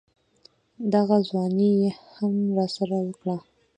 دغه ځواني يې هم راسره وکړه.